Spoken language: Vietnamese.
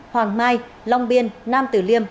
hoàng mai long biên nam tử liêm